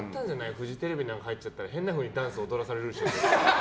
フジテレビに入っちゃったら変なふうにダンス、踊らされるし。